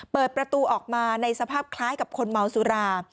เปิดประตูออกมาในสภาพคล้ายกับคนเมาสุรา